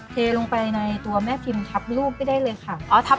เทลงไปในตัวแม่พิมพ์ทับรูปไปได้เลยค่ะ